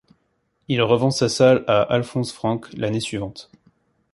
Il revend sa salle à Alphonse Franck l'année suivante.